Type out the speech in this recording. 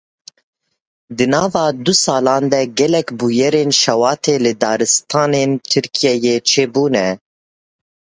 Di nava du salan de gelek bûyerên şewatê li daristanên Tirkiyeyê çêbûne.